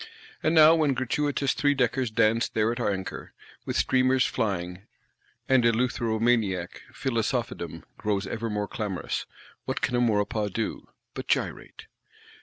And now when gratuitous three deckers dance there at anchor, with streamers flying; and eleutheromaniac Philosophedom grows ever more clamorous, what can a Maurepas do—but gyrate?